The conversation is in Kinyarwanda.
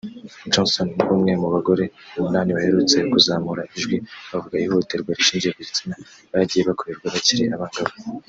Johnson ni umwe mu bagore umunani baherutse kuzamura ijwi bavuga ihohoterwa rishingiye ku gitsina bagiye bakorerwa bakiri abangavu